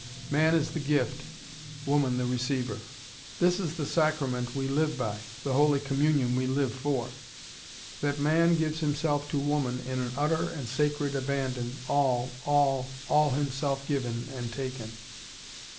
Man is the gift, woman the receiver. This is the sacrament we live by; the holy Communion we live for. That man gives himself to woman in an utter and sacred abandon, all, all, all himself given, and taken.